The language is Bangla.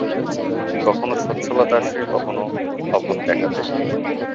কখনো সচ্ছলতা আসে, কখনো অভাব দেখা দেয়।